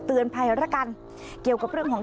เตือนภัยแล้วกันเกี่ยวกับเรื่องของ